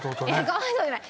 かわいそうじゃない。